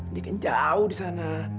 ini kan jauh di sana